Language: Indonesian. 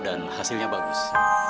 dan hasilnya bagus